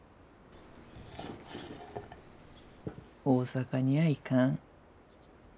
大阪にや行かん。